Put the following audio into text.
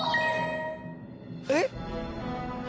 「えっ？」